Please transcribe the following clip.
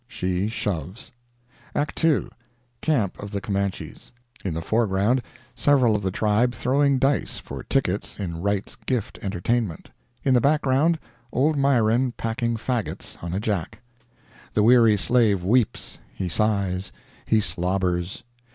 She shoves! ACT II.—Camp of the Comanches. In the foreground, several of the tribe throwing dice for tickets in Wright's Gift Entertainment. In the background, old Myron packing faggots on a jack. The weary slave weeps—he sighs—he slobbers.